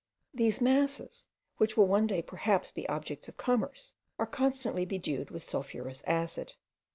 These masses, which will one day perhaps be objects of commerce, are constantly bedewed with sulphurous acid.